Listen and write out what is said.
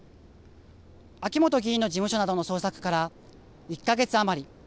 秋本議員の事務所などの捜索から１か月余り。